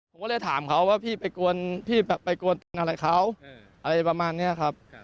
ผมก็เลยถามเขาว่าพี่ไปกวนอะไรเขาอะไรประมาณนี้ครับ